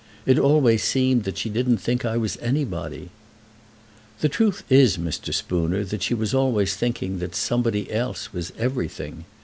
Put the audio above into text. It always seemed that she didn't think that I was anybody." "The truth is, Mr. Spooner, that she was always thinking that somebody else was everything.